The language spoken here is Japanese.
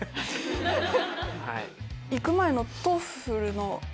行く前の。